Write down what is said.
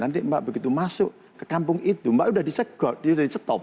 nanti mbak begitu masuk ke kampung itu mbak sudah disegot sudah dicetop